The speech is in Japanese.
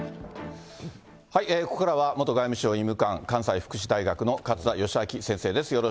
ここからは、元外務省医務官、関西福祉大学の勝田吉彰先生です。